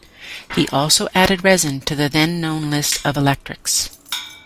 He also added resin to the then known list of electrics.